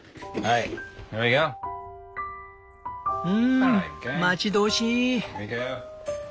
うん待ち遠しい。